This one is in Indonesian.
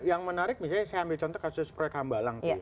yang menarik misalnya saya ambil contoh kasus proyek hambalang tuh